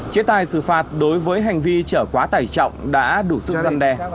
chế tài xử phạt đối với hành vi chở quá tải trọng đã đủ sức răn đe